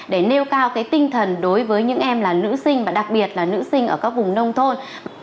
để nêu cao cái tinh thần đối với những em là nữ sinh và đặc biệt là nữ sinh ở các vùng nông thôn